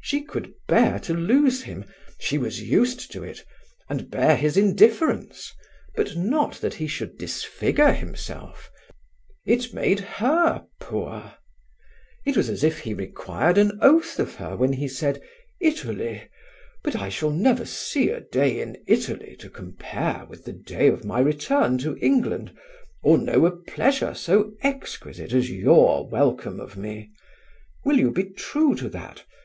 She could bear to lose him she was used to it and bear his indifference, but not that he should disfigure himself; it made her poor. It was as if he required an oath of her when he said: "Italy! But I shall never see a day in Italy to compare with the day of my return to England, or know a pleasure so exquisite as your welcome of me. Will you be true to that?